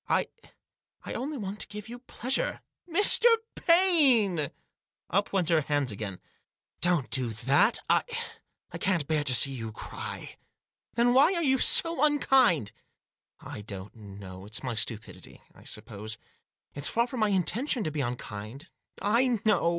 I — I only want to give you pleasure." " Mr. Paine !" Up went her hands again. " Don't do that. I — I can't bear to see you cry." " Then why are you so unkind ?"" I don't know ; it's my stupidity, I suppose ; it's far from my intention to be unkind." " I know